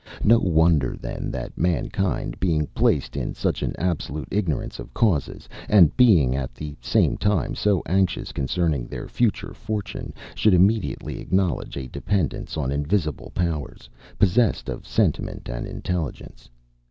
No wonder, then, that mankind, being placed in such an absolute ignorance of causes, and being at the same time so anxious concerning their future fortune, should immediately acknowledge a dependence on invisible powers, possessed of sentiment and intelligence.